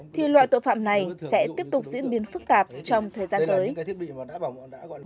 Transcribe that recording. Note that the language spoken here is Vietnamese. thì loại tội phạm này sẽ tiếp tục diễn biến phức tạp trong thời gian tương lai